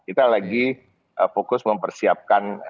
kita lagi fokus mempersiapkan